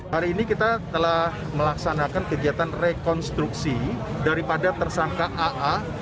hari ini kita telah melaksanakan kegiatan rekonstruksi daripada tersangka aa